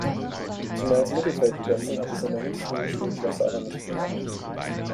Zu mehr als Mittelfeldplätzen hat es in der höchsten Spielklasse aber nicht gereicht.